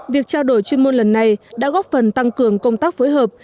việc trao đổi chuyên môn lần này đã góp phần tăng cường công tác phối hợp